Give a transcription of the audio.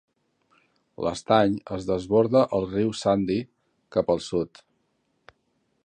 L'estany es desborda al riu Sandy cap al sud.